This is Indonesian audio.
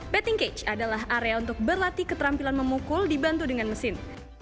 betting cage adalah area untuk berlatih keterampilan memukul dibantu dengan mesin